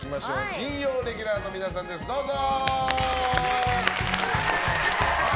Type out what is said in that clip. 金曜レギュラーの皆さんですどうぞ！